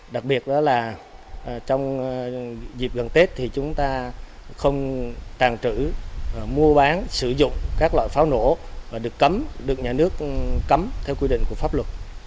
đặc biệt đó là trong dịp gần tết thì chúng ta không tàn trữ mua bán sử dụng các loại pháo nổ và được cấm được nhà nước cấm theo quy định của pháp luật